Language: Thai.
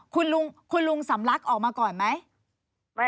คุณลุงสำลักออกมาก่อนไหม